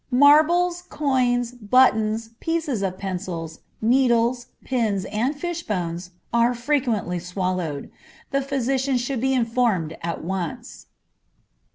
Marbles, coins, buttons, pieces of pencils, needles, pins, and fish bones, are frequently swallowed. The physician should be informed at once.